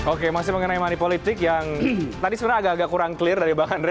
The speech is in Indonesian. oke masih mengenai mani politik yang tadi sebenarnya agak kurang clear dari bang handre